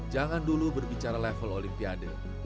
jangan dulu berbicara level olimpiade